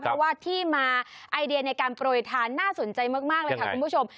เพราะว่าที่มาไอเดียในการโปรยทานน่าสนใจมากเลยค่ะคุณผู้ชม